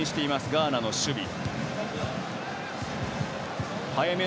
ガーナの守備。